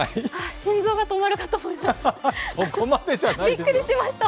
心臓が止まるかと思いました。